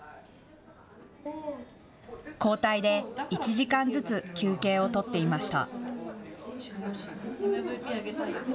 交代で１時間ずつ休憩を取っていました。